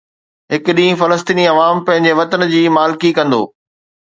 هڪ ڏينهن فلسطيني عوام پنهنجي وطن جي مالڪي ڪندو